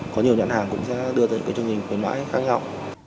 có nhiều nhận hàng cũng sẽ đưa tới những cái chương trình khuyến mãi khác nhau